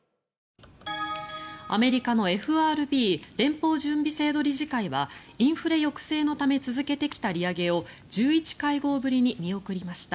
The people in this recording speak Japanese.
アメリカのＦＲＢ・連邦準備制度理事会はインフレ抑制のため続けてきた利上げを１１会合ぶりに見送りました。